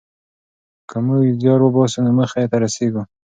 که موږ زیار وباسو نو موخې ته رسېږو.